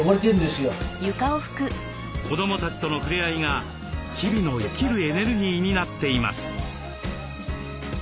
子どもたちとの触れ合いが日々の生きるエネルギーになっています。